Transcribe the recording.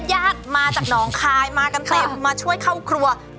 ญาติมาจากหนองคายมากันเต็มมาช่วยเข้าครัว